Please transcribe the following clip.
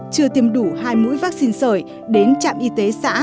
chưa tiêm đủ hai mũi vaccine sởi đến trạm y tế xã